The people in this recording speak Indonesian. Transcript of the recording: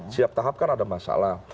setiap tahap kan ada masalah